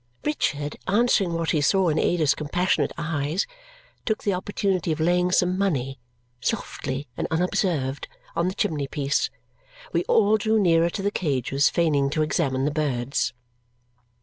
Richard, answering what he saw in Ada's compassionate eyes, took the opportunity of laying some money, softly and unobserved, on the chimney piece. We all drew nearer to the cages, feigning to examine the birds.